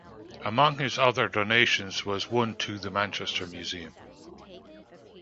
Among his other donations was one to the Manchester Museum.